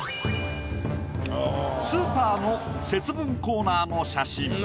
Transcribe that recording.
スーパーの節分コーナーの写真。